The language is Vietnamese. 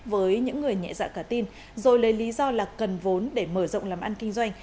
với những người nhẹ dạ cả tin rồi lấy lý do là cần vốn để mở rộng làm ăn kinh doanh